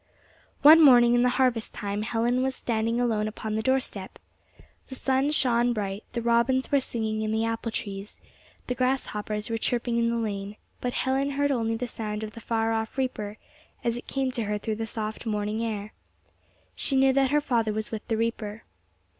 One morning in the harvest time Helen was standing alone upon the door step. The sun shone bright; the robins were singing in the apple trees; the grasshoppers were chirping in the lane; but Helen heard only the sound of the far off reaper, as it came to her through the soft morning air. She knew that her father was with the reaper.